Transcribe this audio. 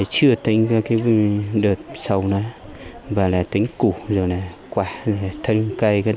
chưa tính đợt sau đó và tính củ quả thân cây